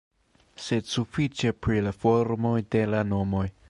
Sed sufiĉe pri la formoj de la nomoj.